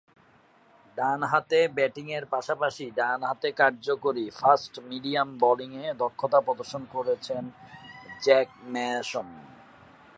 ডানহাতে ব্যাটিংয়ের পাশাপাশি ডানহাতে কার্যকরী ফাস্ট-মিডিয়াম বোলিংয়ে দক্ষতা প্রদর্শন করেছেন জ্যাক ম্যাসন।